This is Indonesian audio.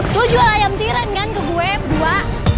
lo jual ayam tiren kan ke gue berdua